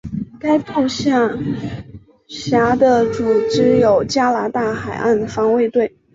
该部下辖的组织有加拿大海岸防卫队。